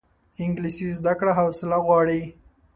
انګلیسي زده کړه حوصله غواړي